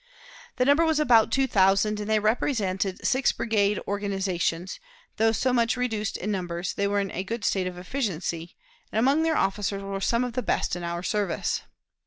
The number was about two thousand, and they represented six brigade organizations; though so much reduced in numbers, they were in a good state of efficiency, and among their officers were some of the best in our service.